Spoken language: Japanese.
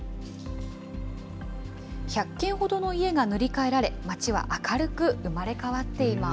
１００軒ほどの家が塗り替えられ、町は明るく生まれ変わっています。